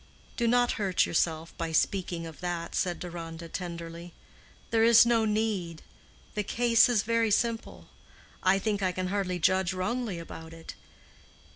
"Do not hurt yourself by speaking of that," said Deronda, tenderly. "There is no need; the case is very simple. I think I can hardly judge wrongly about it.